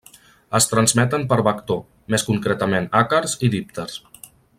Es transmeten per vector, més concretament àcars i dípters.